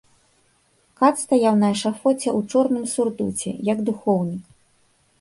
Кат стаяў на эшафоце ў чорным сурдуце, як духоўнік.